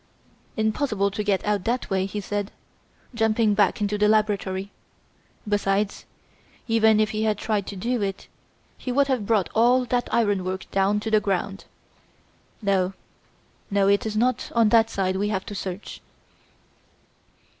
"Impossible to get out that way," he said, jumping back into the laboratory. "Besides, even if he had tried to do it, he would have brought all that ironwork down to the ground. No, no; it is not on that side we have to search."